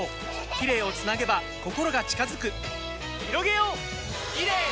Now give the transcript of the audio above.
キレイをつなげば心が近づくひろげようキレイの輪！